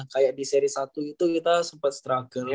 kayak di seri satu itu kita sempat struggle